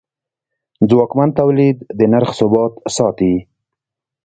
ځواکمن تولید د نرخ ثبات ساتي.